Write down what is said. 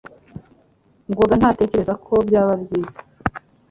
ngoga ntatekereza ko byaba byiza.